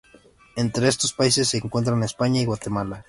Entre estos países se encuentran España y Guatemala.